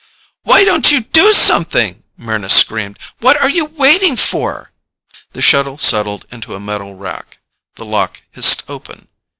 "Why don't you do something?" Mryna screamed. "What are you waiting for?" The shuttle settled into a metal rack. The lock hissed open.